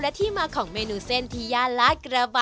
และที่มาของเมนูเส้นทียาราชกระบังค่า